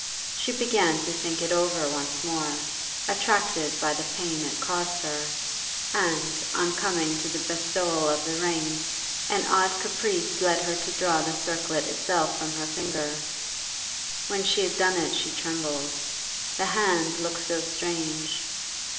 She began to think it over once more, attracted by the pain it caused her, and, on coming to the bestowal of the ring, an odd caprice led her to draw the circlet itself from her finger. When she had done it she trembled. The hand looked so strange.